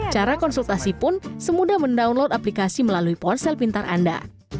cara konsultasi pun semudah mendownload aplikasi melalui ponsel pintar anda